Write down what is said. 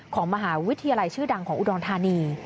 ของมหาวิทยาลัยชื่อดังของอุดรธานี